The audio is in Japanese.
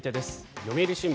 読売新聞。